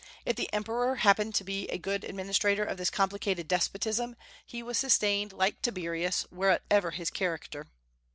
If the emperor happened to be a good administrator of this complicated despotism, he was sustained, like Tiberius, whatever his character.